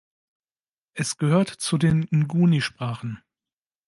Es gehört zu den Nguni-Sprachen.